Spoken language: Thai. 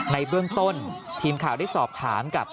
ในเบื้องต้นทีมข่าวได้สอบถามกับ